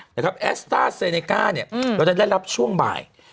แต่แอสตาร์เซเนก้าเราจะได้รับช่วงบ่าย